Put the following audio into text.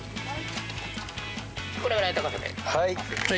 これぐらいの高さで。